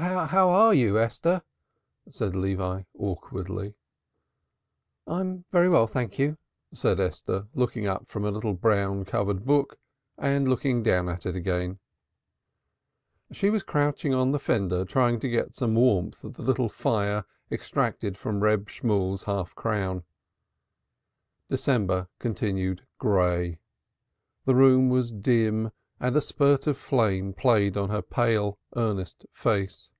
"How are you, Esther?" said Levi awkwardly. "I'm very well, thank you," said Esther, looking up from a little brown covered book and looking down at it again. She was crouching on the fender trying to get some warmth at the little fire extracted from Reb Shemuel's half crown. December continued gray; the room was dim and a spurt of flame played on her pale earnest face.